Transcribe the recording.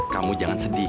kamu jangan sedih ya